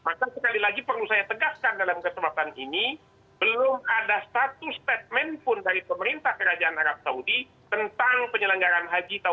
maka sekali lagi perlu saya tegaskan dalam kesempatan ini belum ada satu statement pun dari pemerintah kerajaan arab saudi tentang penyelenggaran haji tahun dua ribu dua puluh